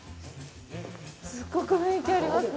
すっごく雰囲気がありますね。